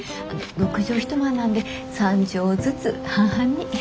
６畳一間なんで３畳ずつ半々に。